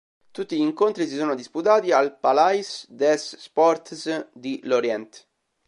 Tutti gli incontri si sono disputati al Palais des Sports di Lorient.